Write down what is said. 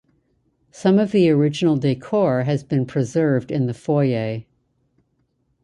Some of the original decor has been preserved in the foyer.